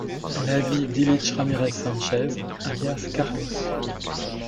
La vie d'Ilich Ramírez Sánchez alias Carlos.